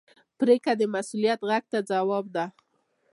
پرېکړه د مسؤلیت غږ ته ځواب ده.